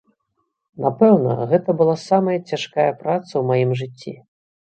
Напэўна, гэта была самая цяжкая праца ў маім жыцці.